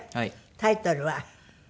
タイトルは？